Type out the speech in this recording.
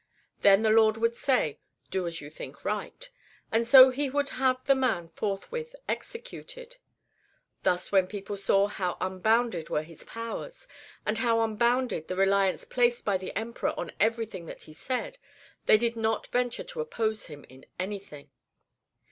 Then the Lord would say :" Do as you think right," and so he would have the man forthwith executed. Thus when people saw how unbounded were his powers, and how unbounded the reliance placed by the Emperor on everything that he said, they did not venture to oppose him in anything.